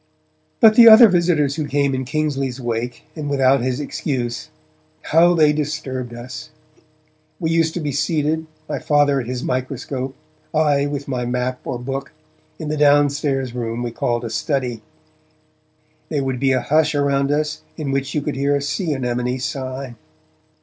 But the other visitors who came in Kingsley's wake and without his excuse how they disturbed us! We used to be seated, my Father at his microscope, I with my map or book, in the down stairs room we called the study. There would be a hush around us in which you could hear a sea anemone sigh.